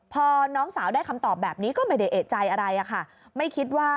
พอน้องสาวได้คำตอบแบบนี้ก็ไม่ได้เอกใจอะไร